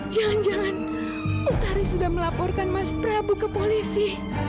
jangan jangan ustari sudah melaporkan mas prabu ke polisi